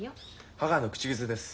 母の口癖です。